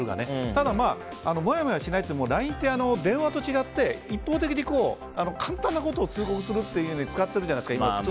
ただ、モヤモヤしないってＬＩＮＥは電話と違って一方的に簡単なことを通告するということに使ってるじゃないですか。